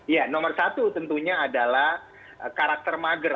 ya nomor satu tentunya adalah karakter mager